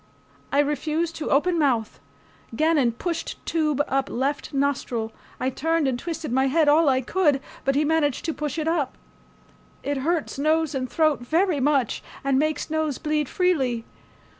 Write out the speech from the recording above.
I refused to open mouth. Gannon pushed tube up left nostril. I turned and twisted my head all I could, but he managed to push it up. It hurts nose and throat very much and makes nose bleed freely.